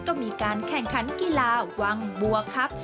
ก็มีการแข่งขันกีฬาวังบัวครับ